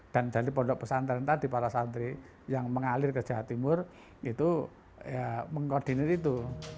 dan jadi pondok pesantren tadi para santri yang mengalir ke jawa timur itu mengkoordinir itu